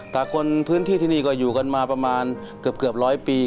แต่คนพื้นที่ที่นี่ก็อยู่กันมาประมาณเกือบร้อยปี